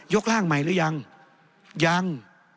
กร่างใหม่หรือยังยัง